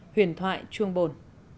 huyền thoại chuông bồn